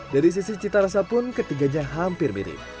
dari sisi cita rasa pun ketiganya hampir mirip